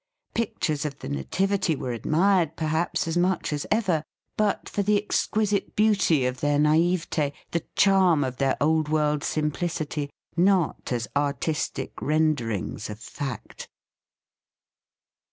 Pictures of the Nativity were admired perhaps as much as ever, but for the exquisite THE FEAST OF ST FRIEND beauty of their naivete, the charm of their old world simplicity, not as artis tic renderings of fact.